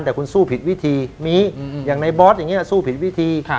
แต่คุณสู้ผิดวิธีมีอย่างในบอสอย่างนี้สู้ผิดวิธี